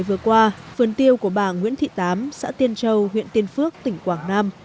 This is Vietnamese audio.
vừa qua vườn tiêu của bà nguyễn thị tám xã tiên châu huyện tiên phước tỉnh quảng nam